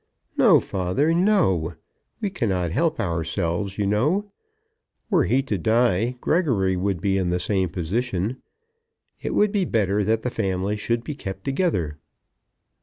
"No; father; no. We cannot help ourselves, you know. Were he to die, Gregory would be in the same position. It would be better that the family should be kept together."